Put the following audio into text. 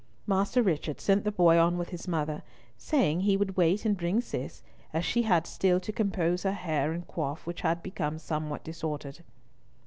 Master Richard sent the boy on with his mother, saying he would wait and bring Cis, as she had still to compose her hair and coif, which had become somewhat disordered.